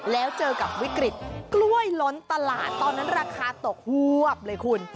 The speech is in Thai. แล้วเจอกับวิกฤตกล้วยล้นตลาดตอนนั้นราคาตกหวบเลยคุณ